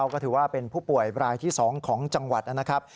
ก็ถือว่าเป็นผู้ป่วยรายที่๒ของจังหวัดนะครับ